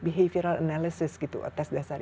behavioral analysis gitu tes dasar